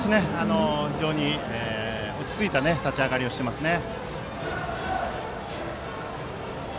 非常に落ち着いた立ち上がりをしていますね。